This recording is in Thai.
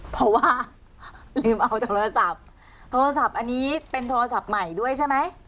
เพราะว่าลืมเอาโทรศัพท์โทรศัพท์อันนี้เป็นโทรศัพท์ใหม่ด้วยใช่ไหม